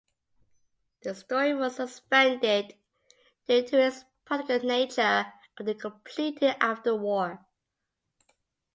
The story was suspended due to its political nature, but completed after the war.